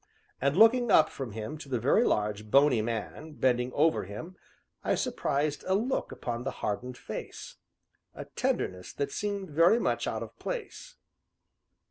And, looking up from him to the very large, bony man, bending over him, I surprised a look upon the hardened face a tenderness that seemed very much out of place.